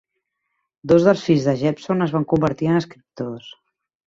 Dos dels fills de Jepson es van convertir en escriptors.